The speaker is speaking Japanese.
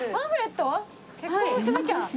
結婚しなきゃ。